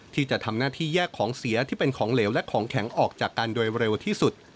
ที่จะทำหน้าที่แยกของเสียที่เป็นของเหลวและของแข็งออกจากกันโดยเร็วที่สุด